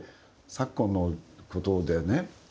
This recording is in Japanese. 昨今のことでね